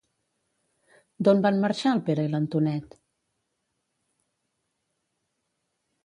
D'on van marxar el Pere i l'Antonet?